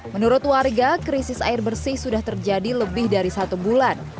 menurut warga krisis air bersih sudah terjadi lebih dari satu bulan